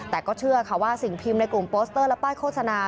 แต่ก็เชื่อค่ะว่าสิ่งพิมพ์ในกลุ่มโปสเตอร์และป้ายโฆษณา